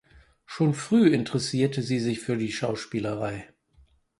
Schon früh interessierte sie sich für die Schauspielerei.